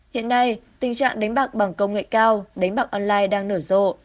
hiện nay tình trạng đánh bạc bằng công nghệ cao đánh bạc online đang nở rộ